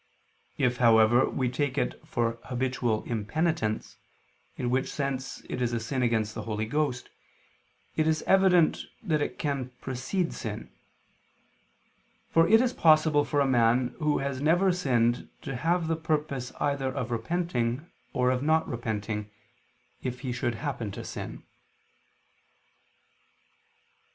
If, however, we take it for habitual impenitence, in which sense it is a sin against the Holy Ghost, it is evident that it can precede sin: for it is possible for a man who has never sinned to have the purpose either of repenting or of not repenting, if he should happen to sin.